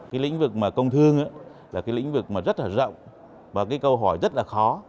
cái lĩnh vực công thương là cái lĩnh vực rất rộng và câu hỏi rất là khó